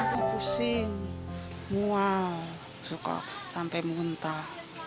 pusing mua suka sampai muntah